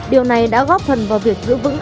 điều này đã góp phần vào việc giữ vững